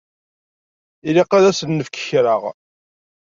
Ilaq ad asen-nefk kra.